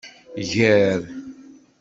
Ger.